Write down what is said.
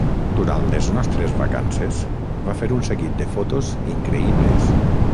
Durant les nostres vacances, va fer un seguit de fotos increïbles.